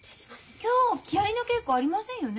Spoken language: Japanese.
今日木遣りの稽古ありませんよね？